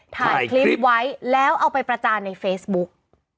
ถ่ายคลิปไว้แล้วเอาไปประจานในเฟซบุ๊ก